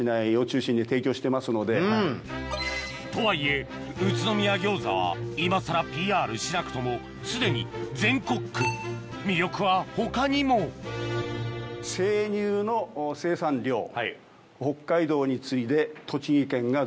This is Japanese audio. とはいえ宇都宮餃子は今更ＰＲしなくともすでに全国区魅力は他にも北海道に次いで栃木県が。